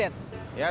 ya tepatnya ya dek